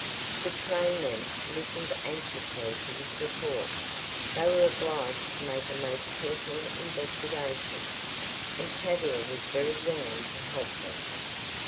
The trainmen listened anxiously to this report. They were obliged to make a most careful investigation, and Tavia was very willing to help them.